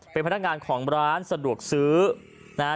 เป็นพนักงานของร้านสะดวกซื้อนะฮะ